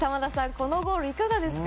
このゴールいかがですか？